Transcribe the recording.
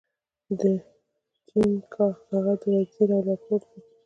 چാണکیا د هغه وزیر او لارښود و.